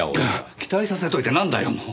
期待させておいてなんだよもう。